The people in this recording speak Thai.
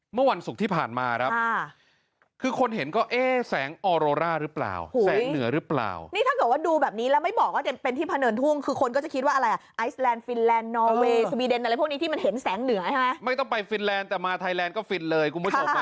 เมื่อวันศุกร์ที่ผ่านมาครับ